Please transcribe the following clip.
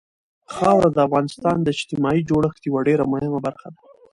خاوره د افغانستان د اجتماعي جوړښت یوه ډېره مهمه برخه ده.